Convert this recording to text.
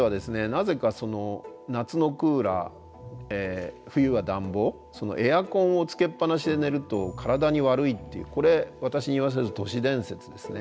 なぜか夏のクーラー冬は暖房エアコンをつけっぱなしで寝ると体に悪いっていうこれ私に言わせると都市伝説ですね。